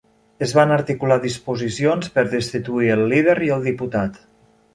Es van articular disposicions per destituir el líder i el diputat.